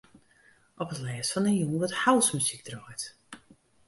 Op it lêst fan 'e jûn wurdt housemuzyk draaid.